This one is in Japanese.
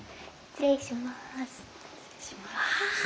失礼します。